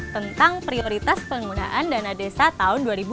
tentang prioritas penggunaan dana desa tahun dua ribu dua puluh